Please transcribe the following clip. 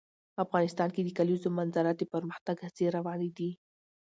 افغانستان کې د د کلیزو منظره د پرمختګ هڅې روانې دي.